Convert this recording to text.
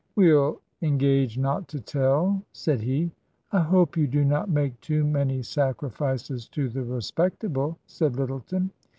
" We'll engage not to tell," said he. " I hope you do not make too many sacrifices to the respectable," said Lyttleton.